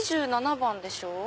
２７番でしょ？